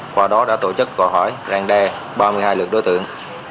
qua đó đã tổ chức gọi hỏi ràng đe ba mươi hai lượt đối tượng